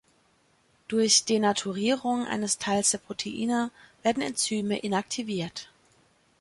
Durch Denaturierung eines Teils der Proteine werden Enzyme inaktiviert.